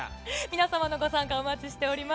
皆様のご参加をお待ちしております。